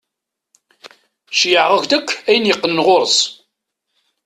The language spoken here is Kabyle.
Cceyɛeɣ-ak-d akk ayen yeqqnen ɣur-s.